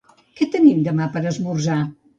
Què tenim demà per esmorzar?